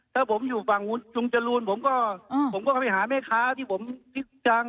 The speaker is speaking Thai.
ถ้าผมอยู่ฝั่งคุณลุงจรูนผมก็ผมก็ไปหาแม่ค้าที่ผมคิดจัง